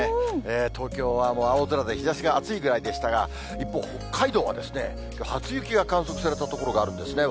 東京はもう青空で、日ざしが暑いぐらいでしたが、一方、北海道はですね、初雪が観測された所があるんですね。